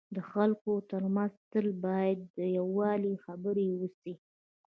د خلکو ترمنځ تل باید د یووالي خبري وسي.